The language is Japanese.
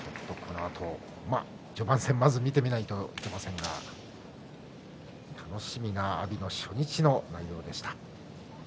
序盤戦まだ見てみないと分かりませんが楽しみな阿炎の初日の内容でした。